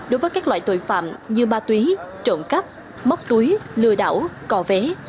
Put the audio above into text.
đối với các loại tội phạm như ma túy trộn cắp móc túy lừa đảo cò vé